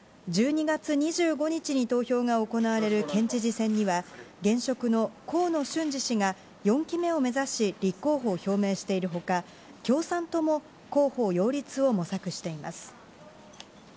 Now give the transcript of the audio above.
１２月２５日に投票が行われる県知事選には、現職の河野俊嗣氏が４期目を目指し、立候補を表明しているほか、共産党も候補擁立を模索しています。